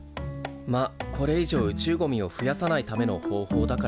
まあこれ以上宇宙ゴミを増やさないための方法だからね。